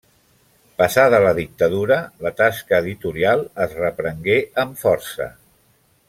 Passada la dictadura, la tasca editorial es reprengué amb força.